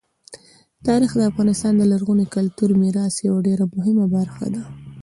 تاریخ د افغانستان د لرغوني کلتوري میراث یوه ډېره مهمه برخه ده.